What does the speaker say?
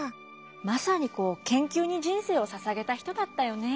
まさに研究に人生を捧げた人だったよね。